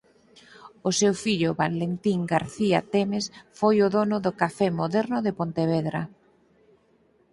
O seu fillo Valentín García Temes foi o dono do Café Moderno de Pontevedra.